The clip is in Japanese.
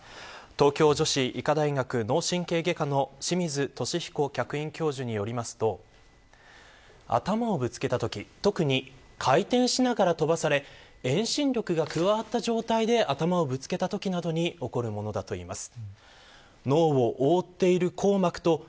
東京女子医科大学・脳神経外科の清水俊彦客員教授によると頭をぶつけたとき、特に回転しながら飛ばされ遠心力が加わった状態で頭をぶつけたときなどに起こるものだといいます。